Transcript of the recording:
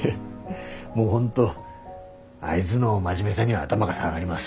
もう本当あいづの真面目さには頭が下がります。